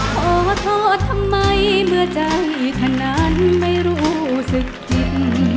ขอโทษทำไมเมื่อใจคนนั้นไม่รู้สึกผิด